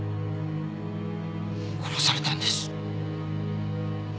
殺されたんです。